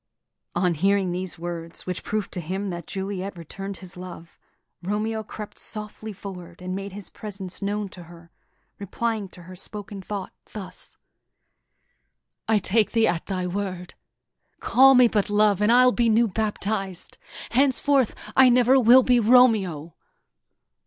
On hearing these words, which proved to him that Juliet returned his love, Romeo crept softly forward and made his presence known to her, replying to her spoken thought thus: "I take thee at thy word! Call me but love, and I'll be new baptiz'd; Henceforth I never will be Romeo!"